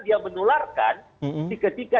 dia menularkan ketika